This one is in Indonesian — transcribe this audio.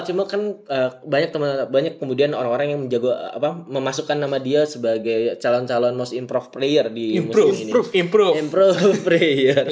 cuma kan banyak kemudian orang orang yang memasukkan nama dia sebagai calon calon most improve player di museum ini